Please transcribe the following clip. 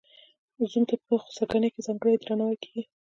زوم ته په خسرګنۍ کې ځانګړی درناوی کیږي.